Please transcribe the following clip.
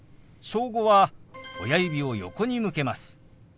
「小５」は親指を横に向けます。